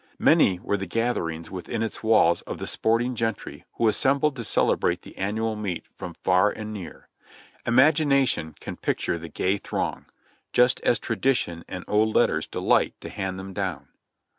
Alany were the gatherings within its walls of the sporting gentry who assembled to celebrate the annual meet from far and near. Imagination can picture the gay throng, just as tradition and old letters delight to hand them down.